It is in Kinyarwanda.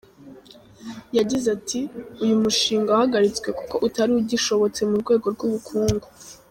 Yagize ati “Uyu mushinga wahagaritswe kuko utari ugishobotse mu rwego rw’ubukungu”.